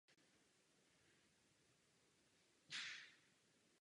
Později se usadila na Jamajce.